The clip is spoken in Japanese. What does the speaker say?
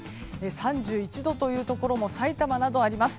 ３１度というところもさいたまなど、あります。